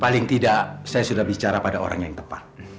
paling tidak saya sudah bicara pada orang yang tepat